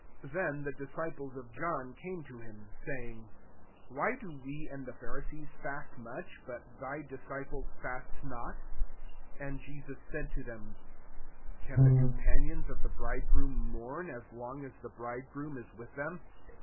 14 Then the disciples of John came to him, saying, " Why do we and the Pharisees fast much, but thy disciples fast not ?" 15 And Jesus said to them, •' Can the companions of the bride groom mourn, as long as tne bridegroom is with them ?